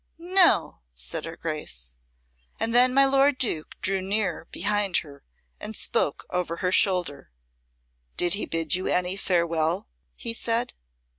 "No," said her Grace. And then my lord Duke drew near behind her, and spoke over her shoulder. "Did he bid you any farewell?" he said.